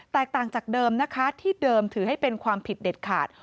ต่างจากเดิมนะคะที่เดิมถือให้เป็นความผิดเด็ดขาด